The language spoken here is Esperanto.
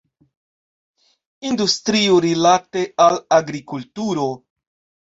Industrio rilate al agrikulturo.